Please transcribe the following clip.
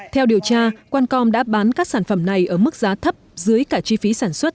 theo điều tra qualcom đã bán các sản phẩm này ở mức giá thấp dưới cả chi phí sản xuất